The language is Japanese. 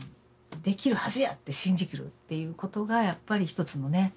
「できるはずや！」って信じきるっていうことがやっぱり一つのね